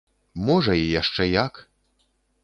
Можа, і яшчэ як!